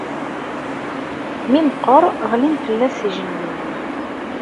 Mi meqqeṛ ɣlin fell-as ijenwiyen.